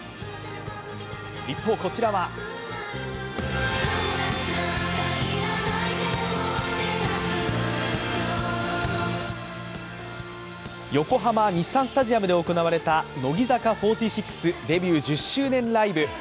一方、こちらは横浜・日産スタジアムで行われた乃木坂４６デビュー１０周年ライブ。